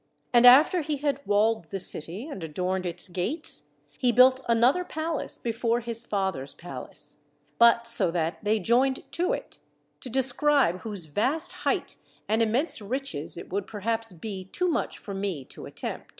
And after he had walled the city, and adorned its gates, he built another palace before his father's palace; but so that they joined to it: to describe whose vast height and immense riches it would perhaps be too much for me to attempt.